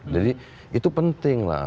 jadi itu penting lah